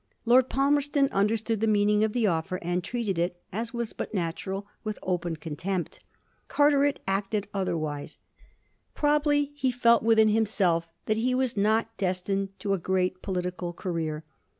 Lord Palmerston understood the meaning of the offer, and treated it — as was but natural — with open contempt. Carteret acted otherwise. Probably he felt within himself that he was not destined to a great political career.